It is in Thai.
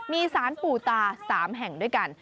มีสารปู่ตา๓แห่งด้วยกัน